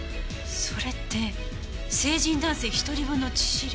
それって成人男性１人分の致死量？